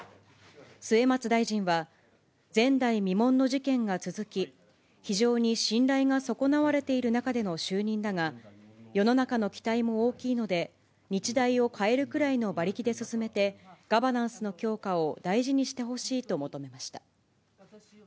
末松大臣は、前代未聞の事件が続き、非常に信頼が損なわれている中での就任だが、世の中の期待も大きいので、日大を変えるくらいの馬力で進めてガバナンスの強化を大事にしてほしいと求めました。